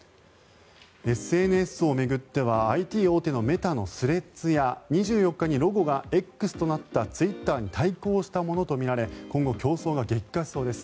ＳＮＳを巡ってはＩＴ大手のメタのスレッズや２４日にロゴがＸとなったツイッターに対抗したものとみられ今後、競争が激化しそうです。